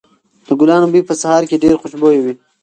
د ګلانو بوی په سهار کې ډېر خوشبويه وي.